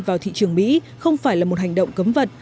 vào thị trường mỹ không phải là một hành động cấm vận